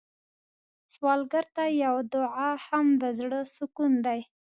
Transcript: سوالګر ته یو دعا هم د زړه سکون دی